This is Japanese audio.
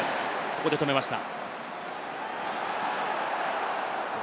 ここで止めました。